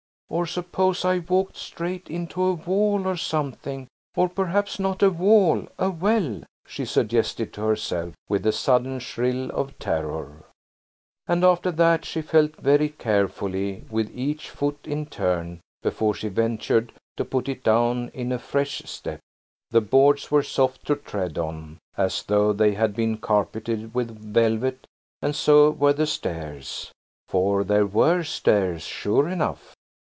Or suppose I walked straight into a wall or something? Or perhaps not a wall–a well," she suggested to herself with a sudden thrill of terror; and after that she felt very carefully with each foot in turn before she ventured to put it down in a fresh step. The boards were soft to tread on, as though they had been carpeted with velvet, and so were the stairs. For there were stairs, sure enough.